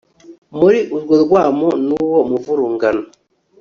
muri urwo rwamo n'uwo muvurungano